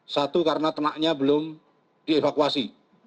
satu karena ternaknya belum dievakuasi